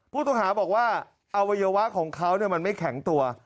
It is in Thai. ผู้ต้องหาบอกว่าอวัยวะของเขามันไม่แข็งตัว